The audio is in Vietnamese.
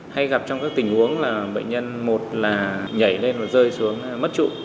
hay gặp trong các tình huống là bệnh nhân một là nhảy lên và rơi xuống mất trụ